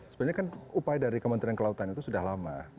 sebenarnya kan upaya dari kementerian kelautan itu sudah lama